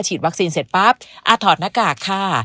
วัคซีนเสร็จปั๊บถอดหน้ากากค่ะ